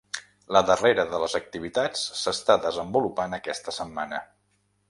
La darrera de les activitats s’està desenvolupant aquesta setmana.